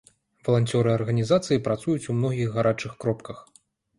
Валанцёры арганізацыі працуюць у многіх гарачых кропках.